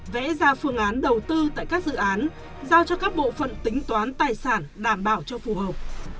vẽ ra phương án đầu tư tại các dự án giao cho các bộ phận tính toán tài sản đảm bảo cho phù hợp